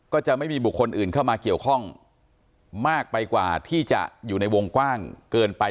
ก็จะมีบุคคลอื่นเข้ามาเกี่ยวข้องมากไปกว่าที่จะอยู่ในวงกว้างเกินไป